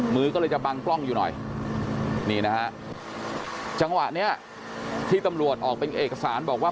มือก็เลยจะบังกล้องอยู่หน่อยนี่นะฮะจังหวะนี้ที่ตำรวจออกเป็นเอกสารบอกว่า